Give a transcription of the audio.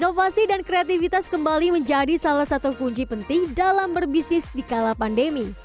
inovasi dan kreativitas kembali menjadi salah satu kunci penting dalam berbisnis di kala pandemi